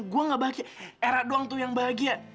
gue gak bahagia era doang tuh yang bahagia